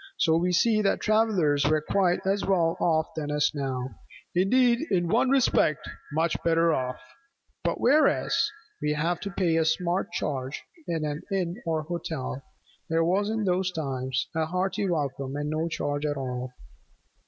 So we see that travellers were quite as well off then as now: indeed in one respect much better off: for whereas we have to pay a smart charge in an inn or hotel, there was in those times a hearty welcome and no charge at all.